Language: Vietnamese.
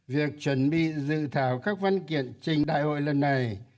việc chuẩn bị dự thảo các văn kiện trình đại hội lần này